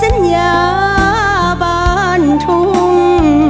สัญญาสัญญาบานทุ่ม